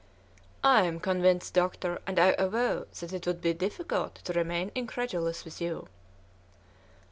"I am convinced, doctor, and I avow that it would be difficult to remain incredulous with you."